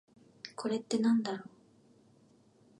これってなんだろう？